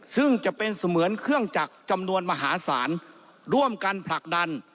ซึ่งจะเป็นเสมือนเครื่องจักรจำนวนมหาศาลร่วมกันผลักดัน